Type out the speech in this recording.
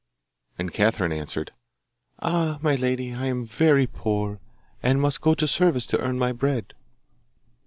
And Catherine answered, 'Ah, my lady, I am very poor, and must go to service to earn my bread.